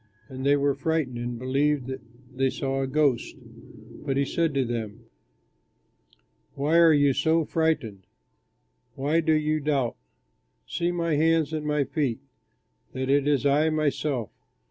And they were frightened and believed that they saw a ghost; but he said to them, "Why are you so frightened? Why do you doubt? See my hands and my feet, that it is I myself.